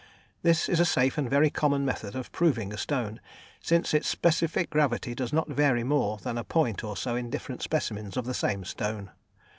This is a safe and very common method of proving a stone, since its specific gravity does not vary more than a point or so in different specimens of the same stone.